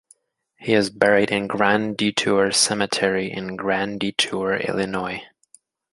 He is buried in Grand Detour Cemetery in Grand Detour, Illinois.